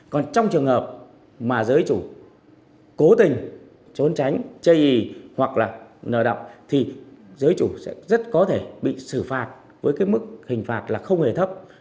còn trong trường hợp mà giới chủ cố tình trốn tránh chây ý hoặc là nợ động thì giới chủ sẽ rất có thể bị xử phạt với cái mức hình phạt là không hề thấp